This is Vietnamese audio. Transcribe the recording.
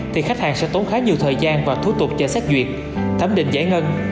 thì khách hàng sẽ tốn khá nhiều thời gian và thủ tục chờ xét duyệt thẩm định giải ngân